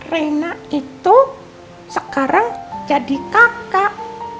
rena itu sekarang jadi kakak